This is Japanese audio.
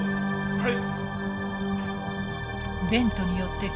はい！